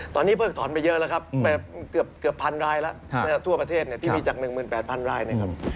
ตอนนี้เพิกถอนไปเยอะแล้วครับเกือบพันรายแล้วทั่วประเทศที่มีจาก๑๘๐๐รายนะครับ